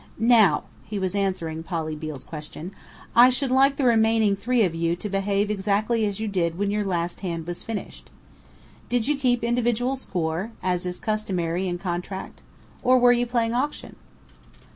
"Now," he was answering Polly Beale's question, "I should like the remaining three of you to behave exactly as you did when your last hand was finished. Did you keep individual score, as is customary in contract? or were you playing auction?"